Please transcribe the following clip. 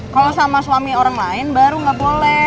kalau sama suami orang lain baru nggak boleh